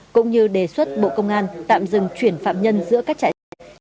cũng như đề xuất bộ công an tạm dừng chuyển phạm nhân giữa các trại giam